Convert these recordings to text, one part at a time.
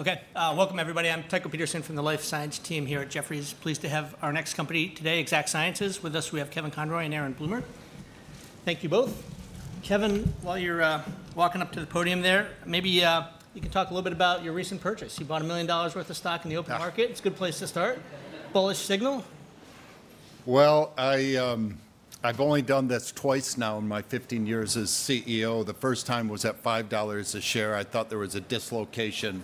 Okay, welcome everybody. I'm Tycho Peterson from the Life Sciences team here at Jefferies. Pleased to have our next company today, Exact Sciences. With us, we have Kevin Conroy and Aaron Bloomer. Thank you both. Kevin, while you're walking up to the podium there, maybe you could talk a little bit about your recent purchase. You bought $1 million worth of stock in the open market. It's a good place to start. Bullish signal? Well, I've only done this twice now in my 15 years as CEO. The first time was at $5 a share. I thought there was a dislocation.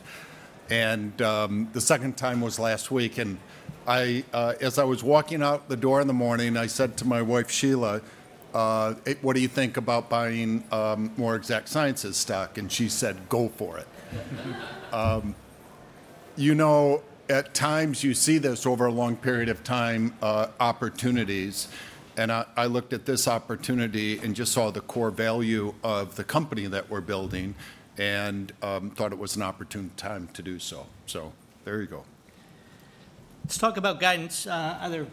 And the second time was last week. And as I was walking out the door in the morning, I said to my wife, Sheila, "What do you think about buying more Exact Sciences stock?" And she said, "Go for it." You know, at times you see this over a long period of time, opportunities. And I looked at this opportunity and just saw the core value of the company that we're building and thought it was an opportune time to do so. So there you go. Let's talk about guidance. Either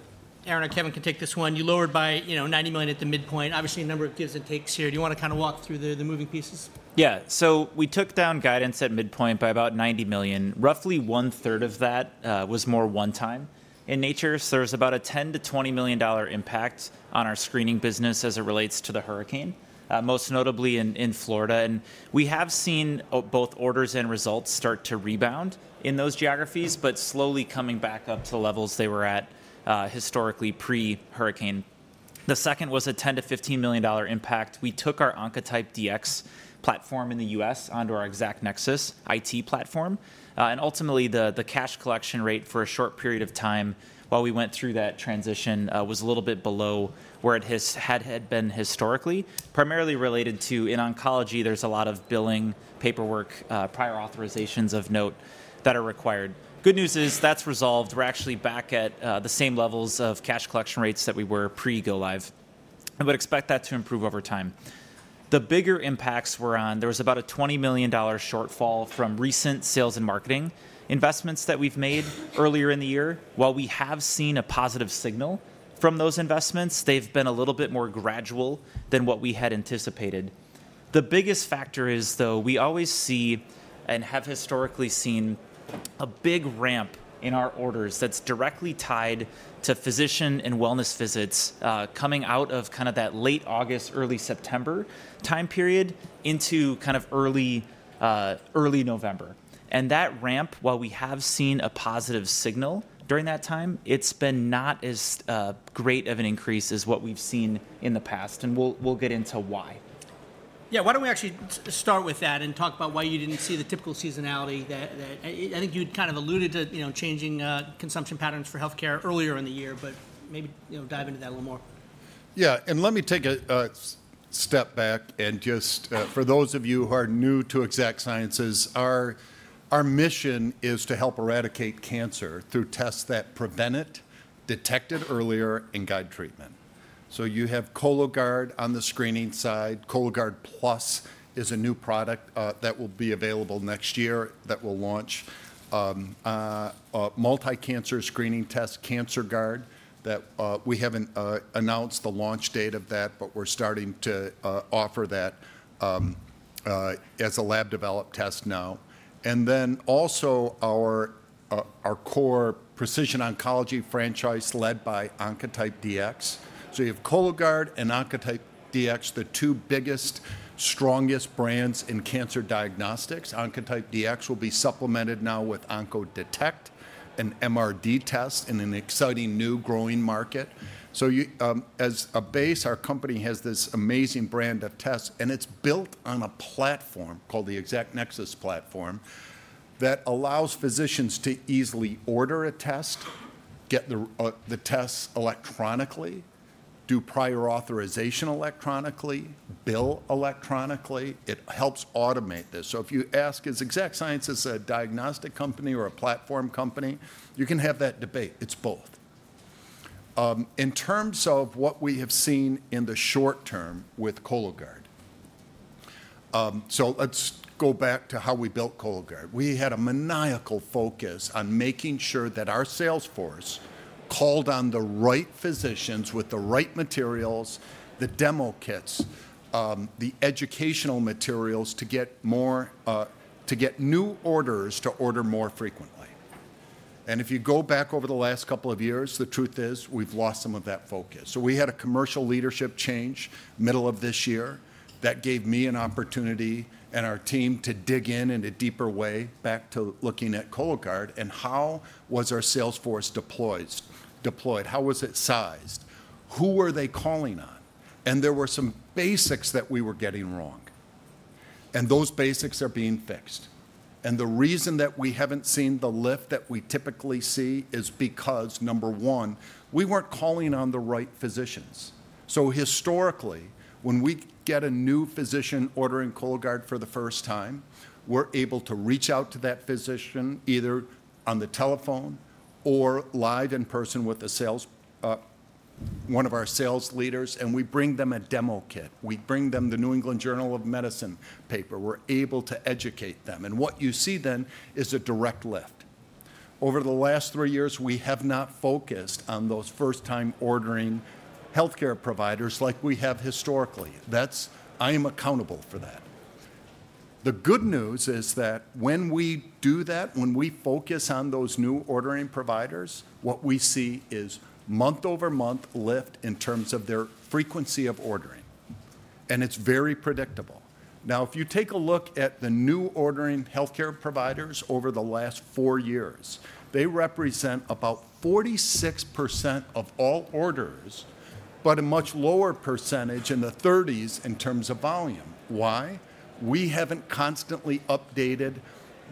Aaron or Kevin can take this one. You lowered by $90 million at the midpoint. Obviously, a number of gives and takes here. Do you want to kind of walk through the moving pieces? Yeah. So we took down guidance at midpoint by about $90 million. Roughly one-third of that was more one-time in nature. So there's about a $10-$20 million impact on our screening business as it relates to the hurricane, most notably in Florida. And we have seen both orders and results start to rebound in those geographies, but slowly coming back up to levels they were at historically pre-hurricane. The second was a $10-$15 million impact. We took our Oncotype DX platform in the U.S. onto our Exact Nexus IT platform. And ultimately, the cash collection rate for a short period of time while we went through that transition was a little bit below where it had been historically, primarily related to, in oncology, there's a lot of billing paperwork, prior authorizations of note that are required. Good news is that's resolved. We're actually back at the same levels of cash collection rates that we were pre-Go Live. I would expect that to improve over time. The bigger impacts were on there was about a $20 million shortfall from recent sales and marketing investments that we've made earlier in the year. While we have seen a positive signal from those investments, they've been a little bit more gradual than what we had anticipated. The biggest factor is, though, we always see and have historically seen a big ramp in our orders that's directly tied to physician and wellness visits coming out of kind of that late August, early September time period into kind of early November. And that ramp, while we have seen a positive signal during that time, it's been not as great of an increase as what we've seen in the past. And we'll get into why. Yeah, why don't we actually start with that and talk about why you didn't see the typical seasonality that I think you'd kind of alluded to changing consumption patterns for healthcare earlier in the year, but maybe dive into that a little more. Yeah, and let me take a step back and just, for those of you who are new to Exact Sciences, our mission is to help eradicate cancer through tests that prevent it, detect it earlier, and guide treatment. So you have Cologuard on the screening side. Cologuard Plus is a new product that will be available next year that will launch a multi-cancer screening test, CancerGuard. We haven't announced the launch date of that, but we're starting to offer that as a lab-developed test now. And then also our core precision oncology franchise led by Oncotype DX. So you have Cologuard and Oncotype DX, the two biggest, strongest brands in cancer diagnostics. Oncotype DX will be supplemented now with OncoDetect, an MRD test, and an exciting new growing market. As a base, our company has this amazing brand of tests, and it's built on a platform called the Exact Nexus platform that allows physicians to easily order a test, get the tests electronically, do prior authorization electronically, bill electronically. It helps automate this. So if you ask, is Exact Sciences a diagnostic company or a platform company, you can have that debate. It's both. In terms of what we have seen in the short term with Cologuard, so let's go back to how we built Cologuard. We had a maniacal focus on making sure that our sales force called on the right physicians with the right materials, the demo kits, the educational materials to get new orders to order more frequently. And if you go back over the last couple of years, the truth is we've lost some of that focus. So we had a commercial leadership change middle of this year that gave me an opportunity and our team to dig in in a deeper way back to looking at Cologuard and how was our sales force deployed? How was it sized? Who were they calling on? And there were some basics that we were getting wrong. And those basics are being fixed. And the reason that we haven't seen the lift that we typically see is because, number one, we weren't calling on the right physicians. So historically, when we get a new physician ordering Cologuard for the first time, we're able to reach out to that physician either on the telephone or live in person with one of our sales leaders, and we bring them a demo kit. We bring them the New England Journal of Medicine paper. We're able to educate them. What you see then is a direct lift. Over the last three years, we have not focused on those first-time ordering healthcare providers like we have historically. I am accountable for that. The good news is that when we do that, when we focus on those new ordering providers, what we see is month-over-month lift in terms of their frequency of ordering. And it's very predictable. Now, if you take a look at the new ordering healthcare providers over the last four years, they represent about 46% of all orders, but a much lower percentage in the 30s in terms of volume. Why? We haven't constantly updated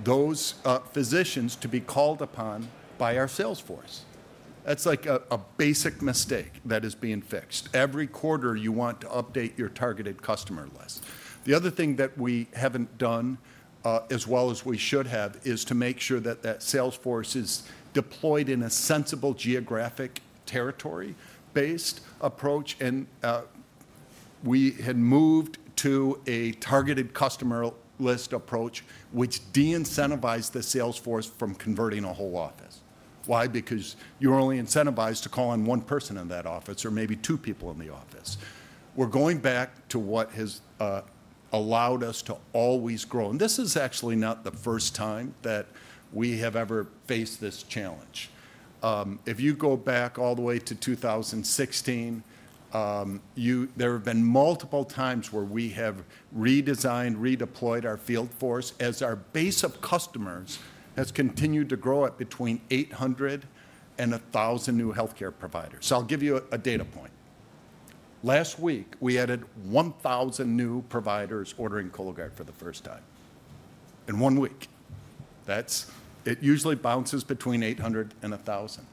those physicians to be called upon by our sales force. That's like a basic mistake that is being fixed. Every quarter, you want to update your targeted customer list. The other thing that we haven't done, as well as we should have, is to make sure that that sales force is deployed in a sensible geographic territory-based approach. And we had moved to a targeted customer list approach, which de-incentivized the sales force from converting a whole office. Why? Because you're only incentivized to call on one person in that office or maybe two people in the office. We're going back to what has allowed us to always grow. And this is actually not the first time that we have ever faced this challenge. If you go back all the way to 2016, there have been multiple times where we have redesigned, redeployed our field force as our base of customers has continued to grow at between 800 and 1,000 new healthcare providers. So I'll give you a data point. Last week, we added 1,000 new providers ordering Cologuard for the first time in one week. That usually bounces between 800 and 1,000.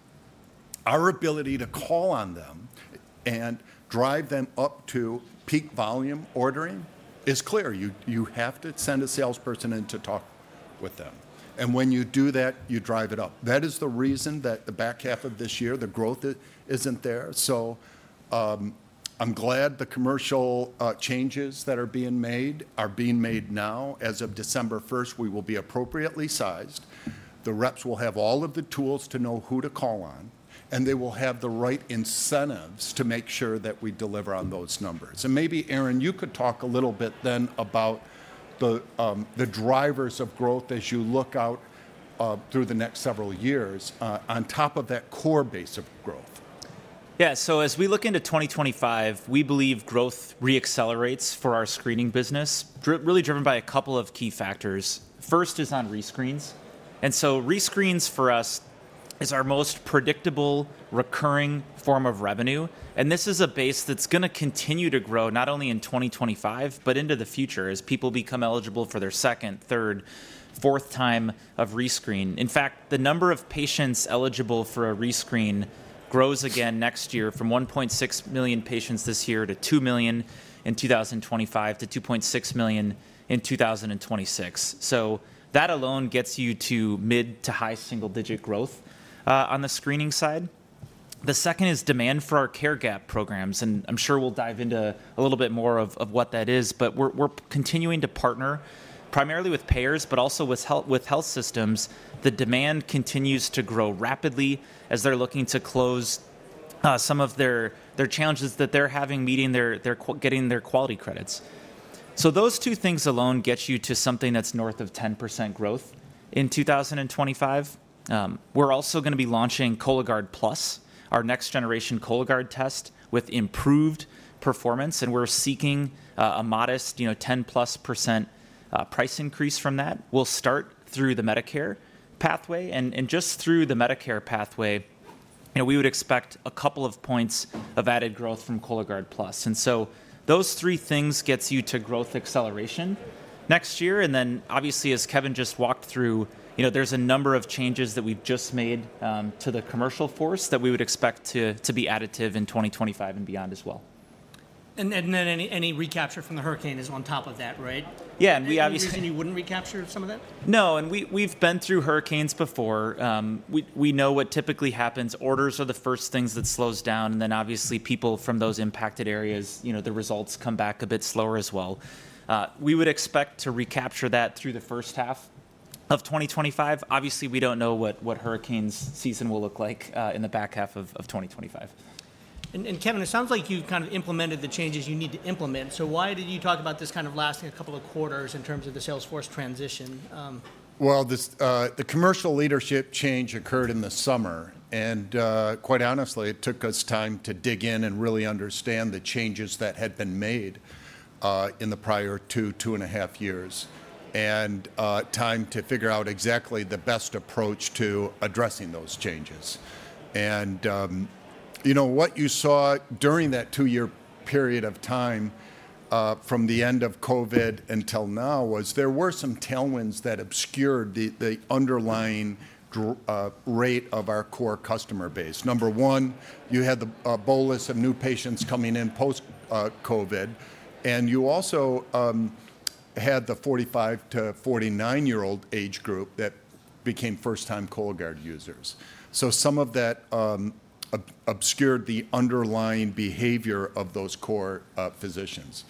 Our ability to call on them and drive them up to peak volume ordering is clear. You have to send a salesperson in to talk with them, and when you do that, you drive it up. That is the reason that the back half of this year the growth isn't there, so I'm glad the commercial changes that are being made are being made now. As of December 1st, we will be appropriately sized. The reps will have all of the tools to know who to call on, and they will have the right incentives to make sure that we deliver on those numbers. Maybe, Aaron, you could talk a little bit then about the drivers of growth as you look out through the next several years on top of that core base of growth. Yeah, so as we look into 2025, we believe growth re-accelerates for our screening business, really driven by a couple of key factors. First is on rescreens, and so rescreens for us is our most predictable recurring form of revenue, and this is a base that's going to continue to grow not only in 2025, but into the future as people become eligible for their second, third, fourth time of rescreen. In fact, the number of patients eligible for a rescreen grows again next year from 1.6 million patients this year to 2 million in 2025 to 2.6 million in 2026, so that alone gets you to mid to high single-digit growth on the screening side. The second is demand for our care gap programs, and I'm sure we'll dive into a little bit more of what that is. But we're continuing to partner primarily with payers, but also with health systems. The demand continues to grow rapidly as they're looking to close some of their challenges that they're having meeting, getting their quality credits. So those two things alone get you to something that's north of 10% growth in 2025. We're also going to be launching Cologuard Plus, our next-generation Cologuard test with improved performance. And we're seeking a modest 10+% price increase from that. We'll start through the Medicare pathway. And just through the Medicare pathway, we would expect a couple of points of added growth from Cologuard Plus. And so those three things get you to growth acceleration next year. And then obviously, as Kevin just walked through, there's a number of changes that we've just made to the commercial force that we would expect to be additive in 2025 and beyond as well. And then any recapture from the hurricane is on top of that, right? Yeah. And you wouldn't recapture some of that? No. And we've been through hurricanes before. We know what typically happens. Orders are the first things that slows down. And then obviously, people from those impacted areas, the results come back a bit slower as well. We would expect to recapture that through the H1 of 2025. Obviously, we don't know what hurricane season will look like in the back half of 2025. Kevin, it sounds like you kind of implemented the changes you need to implement. Why did you talk about this kind of lasting a couple of quarters in terms of the sales force transition? The commercial leadership change occurred in the summer. Quite honestly, it took us time to dig in and really understand the changes that had been made in the prior two, two and a half years, and time to figure out exactly the best approach to addressing those changes. What you saw during that two-year period of time from the end of COVID until now was there were some tailwinds that obscured the underlying rate of our core customer base. Number one, you had the bolus of new patients coming in post-COVID. You also had the 45- to 49-year-old age group that became first-time Cologuard users. Some of that obscured the underlying behavior of those core physicians.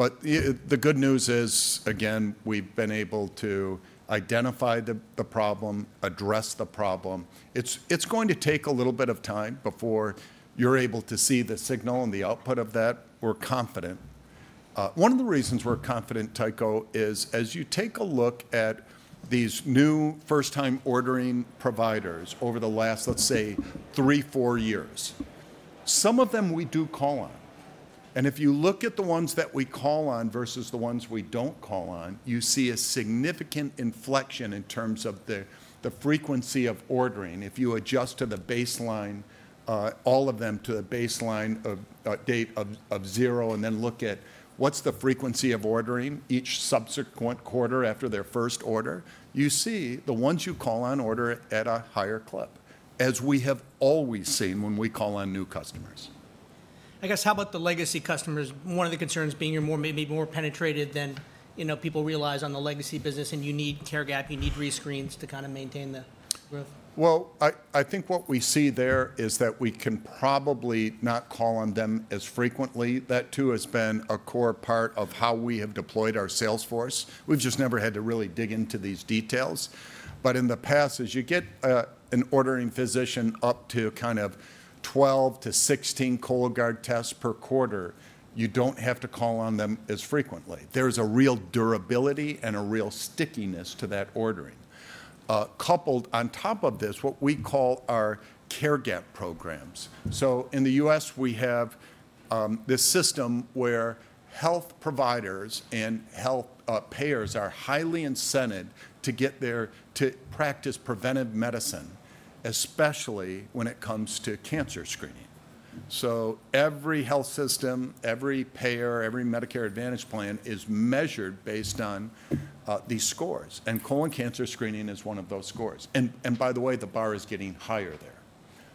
The good news is, again, we've been able to identify the problem, address the problem. It's going to take a little bit of time before you're able to see the signal and the output of that. We're confident. One of the reasons we're confident, Tycho, is as you take a look at these new first-time ordering providers over the last, let's say, three, four years, some of them we do call on, and if you look at the ones that we call on versus the ones we don't call on, you see a significant inflection in terms of the frequency of ordering. If you adjust to the baseline, all of them to the baseline date of zero, and then look at what's the frequency of ordering each subsequent quarter after their first order, you see the ones you call on order at a higher clip, as we have always seen when we call on new customers. I guess how about the legacy customers? One of the concerns being you're maybe more penetrated than people realize on the legacy business, and you need care gap, you need rescreens to kind of maintain the growth. I think what we see there is that we can probably not call on them as frequently. That too has been a core part of how we have deployed our sales force. We've just never had to really dig into these details. But in the past, as you get an ordering physician up to kind of 12-16 Cologuard tests per quarter, you don't have to call on them as frequently. There's a real durability and a real stickiness to that ordering. Coupled on top of this, what we call our care gap programs. So in the U.S., we have this system where health providers and health payers are highly incented to practice preventive medicine, especially when it comes to cancer screening. So every health system, every payer, every Medicare Advantage plan is measured based on these scores, and colon cancer screening is one of those scores. And by the way, the bar is getting higher there.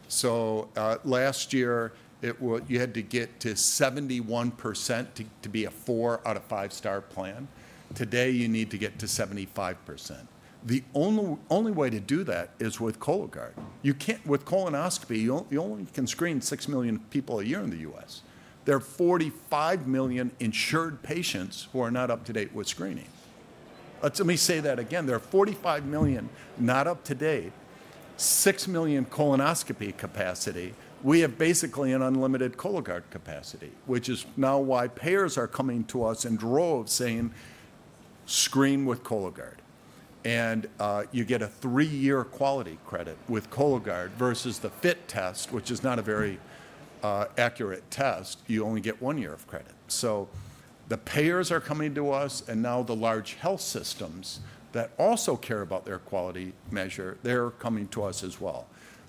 So last year, you had to get to 71% to be a four out of five-star plan. Today, you need to get to 75%. The only way to do that is with Cologuard. With colonoscopy, you only can screen 6 million people a year in the U.S. There are 45 million insured patients who are not up to date with screening. Let me say that again. There are 45 million not up to date, 6 million colonoscopy capacity. We have basically an unlimited Cologuard capacity, which is now why payers are coming to us in droves saying, "Screen with Cologuard." And you get a three-year quality credit with Cologuard versus the FIT test, which is not a very accurate test. You only get one year of credit. So the payers are coming to us, and now the large health systems that also care about their quality measure, they're coming to us as well.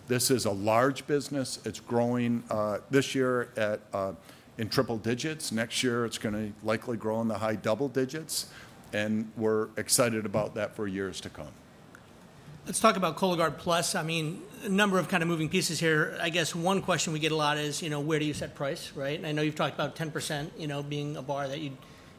This is a large business. It's growing this year in triple digits. Next year, it's going to likely grow in the high double digits. And we're excited about that for years to come. Let's talk about Cologuard Plus. I mean, a number of kind of moving pieces here. I guess one question we get a lot is, where do you set price? And I know you've talked about 10% being a bar that you'd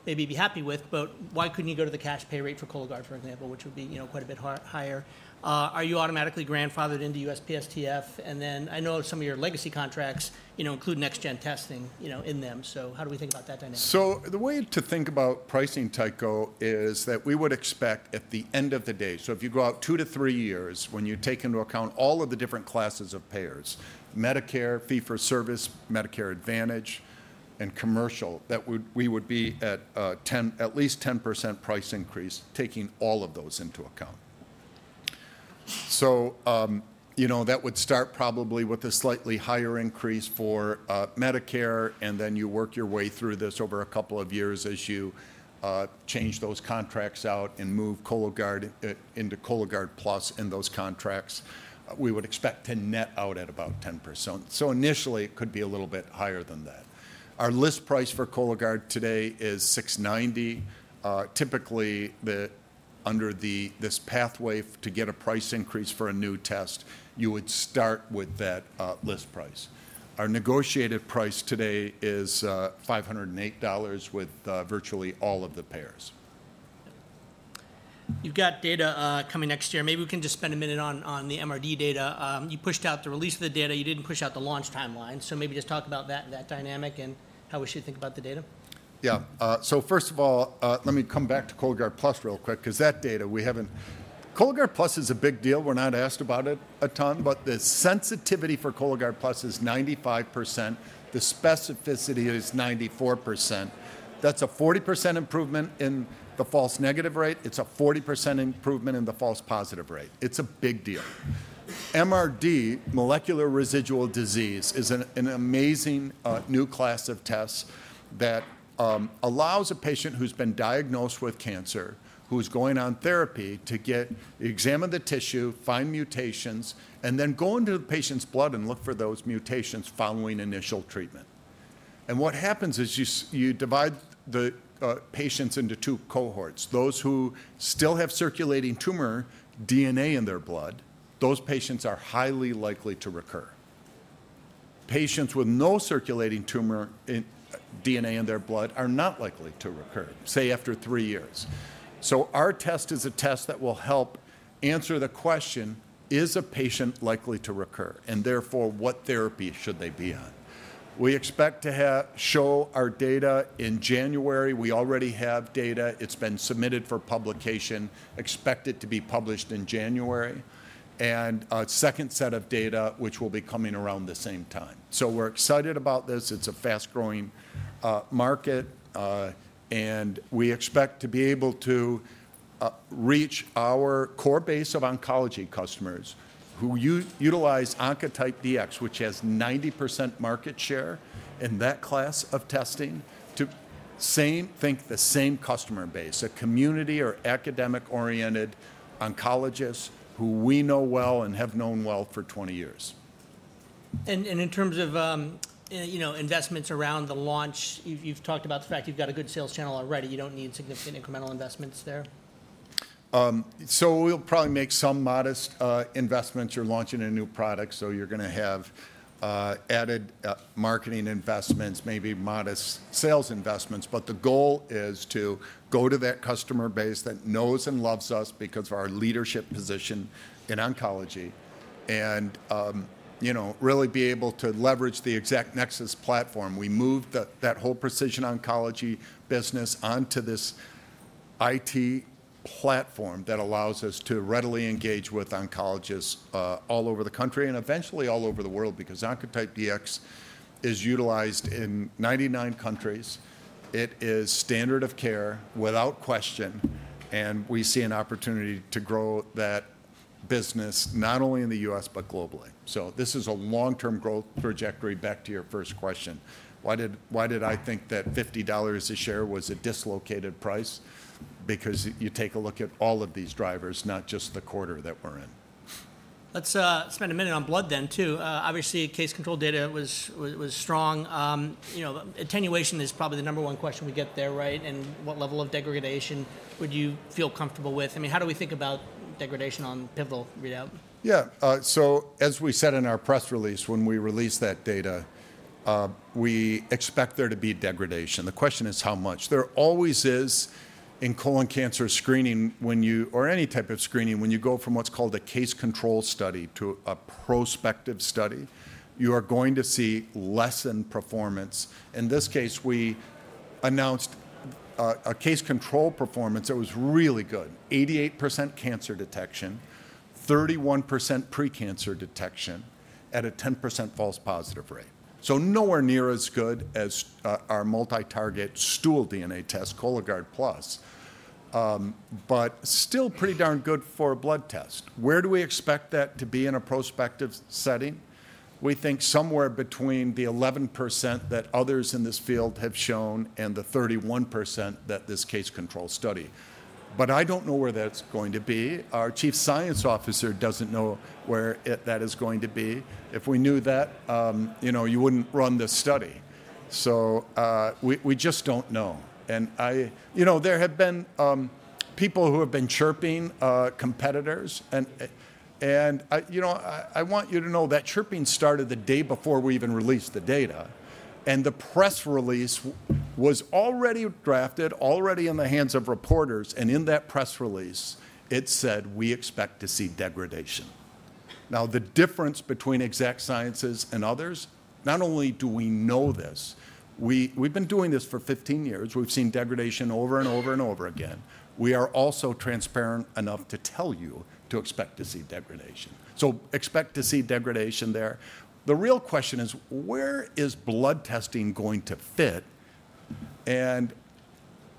maybe be happy with, but why couldn't you go to the cash pay rate for Cologuard, for example, which would be quite a bit higher? Are you automatically grandfathered into USPSTF? And then I know some of your legacy contracts include next-gen testing in them. So how do we think about that dynamic? The way to think about pricing, Tycho, is that we would expect at the end of the day, so if you go out two to three years, when you take into account all of the different classes of payers: Medicare, fee-for-service, Medicare Advantage, and commercial, that we would be at least 10% price increase, taking all of those into account. So that would start probably with a slightly higher increase for Medicare, and then you work your way through this over a couple of years as you change those contracts out and move Cologuard into Cologuard Plus in those contracts. We would expect to net out at about 10%. So initially, it could be a little bit higher than that. Our list price for Cologuard today is $690. Typically, under this pathway to get a price increase for a new test, you would start with that list price. Our negotiated price today is $508 with virtually all of the payers. You've got data coming next year. Maybe we can just spend a minute on the MRD data. You pushed out the release of the data. You didn't push out the launch timeline. So maybe just talk about that dynamic and how we should think about the data. Yeah. So first of all, let me come back to Cologuard Plus real quick, because that data we have on Cologuard Plus is a big deal. We're not asked about it a ton, but the sensitivity for Cologuard Plus is 95%. The specificity is 94%. That's a 40% improvement in the false negative rate. It's a 40% improvement in the false positive rate. It's a big deal. MRD, molecular residual disease, is an amazing new class of tests that allows a patient who's been diagnosed with cancer, who's going on therapy, to get the tissue examined, find mutations, and then go into the patient's blood and look for those mutations following initial treatment. What happens is you divide the patients into two cohorts. Those who still have circulating tumor DNA in their blood, those patients are highly likely to recur. Patients with no circulating tumor DNA in their blood are not likely to recur, say, after three years, so our test is a test that will help answer the question, is a patient likely to recur? And therefore, what therapy should they be on? We expect to show our data in January. We already have data. It's been submitted for publication, expected to be published in January, and a second set of data, which will be coming around the same time, so we're excited about this. It's a fast-growing market, and we expect to be able to reach our core base of oncology customers who utilize Oncotype DX, which has 90% market share in that class of testing, to think the same customer base, a community or academic-oriented oncologists who we know well and have known well for 20 years. And in terms of investments around the launch, you've talked about the fact you've got a good sales channel already. You don't need significant incremental investments there? So we'll probably make some modest investments. You're launching a new product, so you're going to have added marketing investments, maybe modest sales investments. But the goal is to go to that customer base that knows and loves us because of our leadership position in oncology and really be able to leverage the Exact Nexus platform. We moved that whole precision oncology business onto this IT platform that allows us to readily engage with oncologists all over the country and eventually all over the world, because Oncotype DX is utilized in 99 countries. It is standard of care without question. And we see an opportunity to grow that business not only in the U.S., but globally. So this is a long-term growth trajectory back to your first question. Why did I think that $50 a share was a dislocated price? Because you take a look at all of these drivers, not just the quarter that we're in. Let's spend a minute on blood then too. Obviously, case control data was strong. Attenuation is probably the number one question we get there, right? And what level of degradation would you feel comfortable with? I mean, how do we think about degradation on pivotal readout? Yeah. So as we said in our press release, when we release that data, we expect there to be degradation. The question is how much. There always is in colon cancer screening or any type of screening, when you go from what's called a case control study to a prospective study, you are going to see lessened performance. In this case, we announced a case control performance that was really good: 88% cancer detection, 31% precancer detection at a 10% false positive rate. So nowhere near as good as our multi-target stool DNA test, Cologuard Plus, but still pretty darn good for a blood test. Where do we expect that to be in a prospective setting? We think somewhere between the 11% that others in this field have shown and the 31% that this case control study. But I don't know where that's going to be. Our Chief Science Officer doesn't know where that is going to be. If we knew that, you wouldn't run this study. So we just don't know, and there have been people who have been chirping competitors. And I want you to know that chirping started the day before we even released the data, and the press release was already drafted, already in the hands of reporters. And in that press release, it said, "We expect to see degradation." Now, the difference between Exact Sciences and others, not only do we know this, we've been doing this for 15 years. We've seen degradation over and over and over again. We are also transparent enough to tell you to expect to see degradation, so expect to see degradation there. The real question is, where is blood testing going to fit?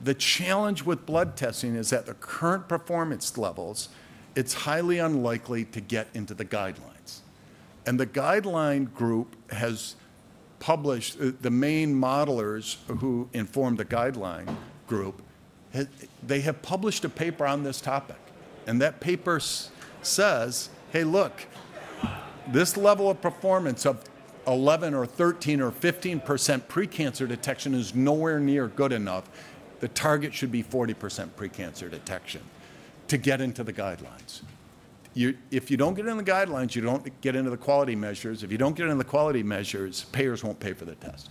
The challenge with blood testing is that the current performance levels, it's highly unlikely to get into the guidelines. The guideline group has published the main modelers who inform the guideline group. They have published a paper on this topic. That paper says, "Hey, look, this level of performance of 11%, 13%, or 15% precancer detection is nowhere near good enough. The target should be 40% precancer detection to get into the guidelines." If you don't get into the guidelines, you don't get into the quality measures. If you don't get into the quality measures, payers won't pay for the test.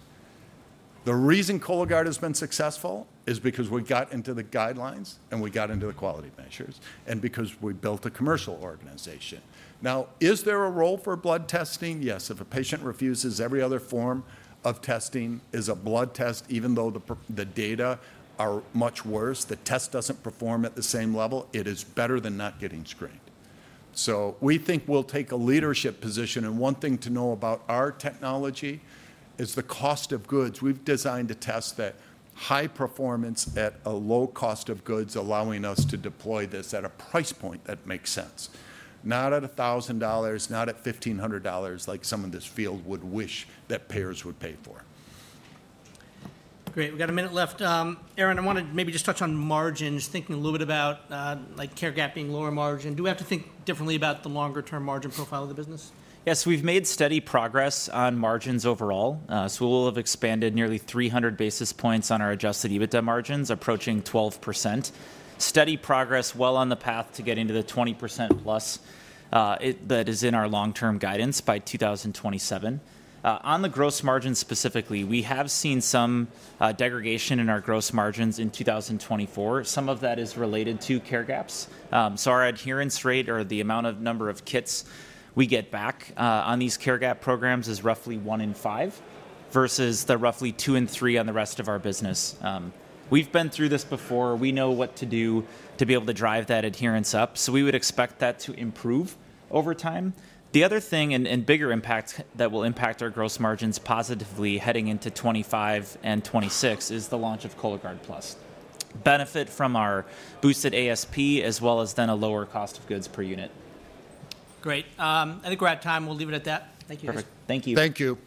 The reason Cologuard has been successful is because we got into the guidelines and we got into the quality measures and because we built a commercial organization. Now, is there a role for blood testing? Yes. If a patient refuses, every other form of testing is a blood test. Even though the data are much worse, the test doesn't perform at the same level. It is better than not getting screened. So we think we'll take a leadership position, and one thing to know about our technology is the cost of goods. We've designed a test that high performance at a low cost of goods, allowing us to deploy this at a price point that makes sense, not at $1,000, not at $1,500 like some of this field would wish that payers would pay for. Great. We've got a minute left. Aaron, I wanted to maybe just touch on margins, thinking a little bit about care gap being lower margin. Do we have to think differently about the longer-term margin profile of the business? Yes. We've made steady progress on margins overall. So we'll have expanded nearly 300 basis points on our Adjusted EBITDA margins, approaching 12%. Steady progress, well on the path to getting to the 20% plus that is in our long-term guidance by 2027. On the gross margins specifically, we have seen some degradation in our gross margins in 2024. Some of that is related to care gaps. So our adherence rate, or the amount of number of kits we get back on these care gap programs, is roughly one in five versus the roughly two in three on the rest of our business. We've been through this before. We know what to do to be able to drive that adherence up. So we would expect that to improve over time. The other thing and bigger impact that will impact our gross margins positively heading into 2025 and 2026 is the launch of Cologuard Plus. Benefit from our boosted ASP as well as then a lower cost of goods per unit. Great. I think we're out of time. We'll leave it at that. Thank you. Perfect. Thank you. Thank you.